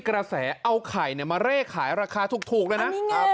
กระแสเอาไข่มาเร่ขายราคาถูกเลยนะ